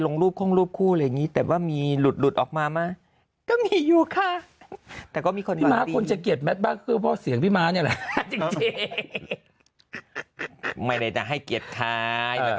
น้องเค้าน่ารักตอนนี้ม้าออนภาน่ารัก